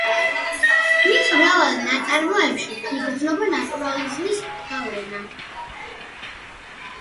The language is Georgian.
მის მრავალ ნაწარმოებში იგრძნობა ნატურალიზმის გავლენა.